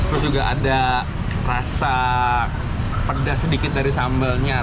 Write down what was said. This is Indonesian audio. terus juga ada rasa pedas sedikit dari sambalnya